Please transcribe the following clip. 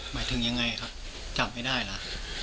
หมายถึงยังไงครับจับไม่ได้แล้ว